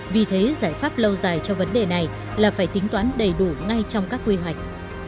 vì thế giải pháp lâu dài cho vấn đề này là phải tính toán đầy đủ ngay trong các quy hoạch